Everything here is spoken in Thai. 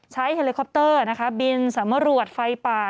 ใช้เฮเลโคปเตอร์บินสำรวจไฟป่า